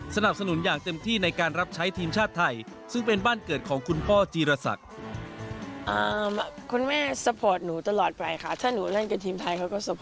สนับสนุนอย่างเต็มที่ในการรับใช้ทีมชาติไทยซึ่งเป็นบ้านเกิดของคุณพ่อจีรศักดิ์